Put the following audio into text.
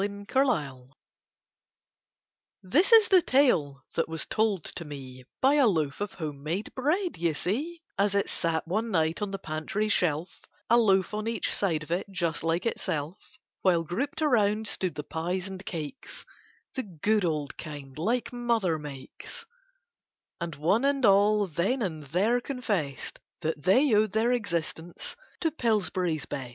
This is the tale that was told to me By a loaf of home made bread, you see, As it sat one night on the pantry shelf A loaf on each side of it just like itself, While grouped around stood the pies and cakes, The good old kind like mother makes, And one and all then and there confessed That they owed their existence to Pillsbury's Best.